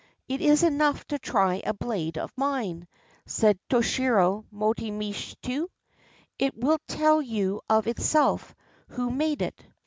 "It is enough to try a blade of mine," said Toshiro Moshimitsu; "it will tell you of itself who made it."